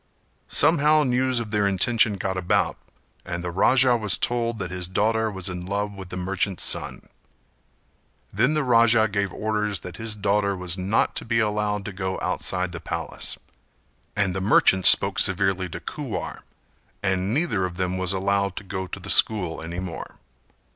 Somehow news of their intention got about, and the Raja was told that his daughter was in love with the merchant's son. Then the Raja gave orders that his daughter was not to be allowed to go outside the palace, and the merchant spoke severely to Kuwar and neither of them was allowed to go to the school any more.